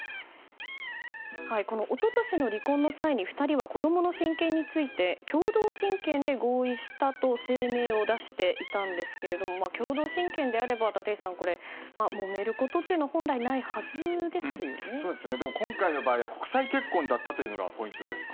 一昨年の離婚の際に２人は子供の親権について共同親権で合意したと声明を出していたんですが共同親権であれば立石さん、もめることは今回の場合は国際結婚だったというのがポイントです。